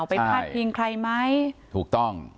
ไปพลาดพิงใครไหมใช่ถูกต้อง